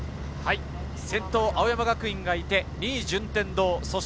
先頭、青山学院がいて、２位・順天堂。